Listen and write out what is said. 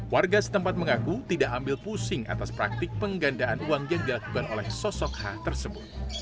warga setempat mengaku tidak ambil pusing atas praktik penggandaan uang yang dilakukan oleh sosok h tersebut